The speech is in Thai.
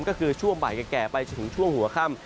ก็คือช่วงบ่ายแก่ไปจนถึงช่วงหัวค่ำ